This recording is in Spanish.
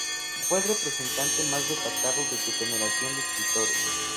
Fue el representante más destacado de su generación de escritores.